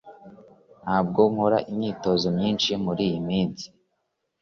Ntabwo nkora imyitozo myinshi muriyi minsi